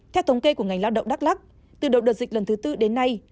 theo thống kê của ngành lao động đắk lắc từ đầu đợt dịch lần thứ tư đến nay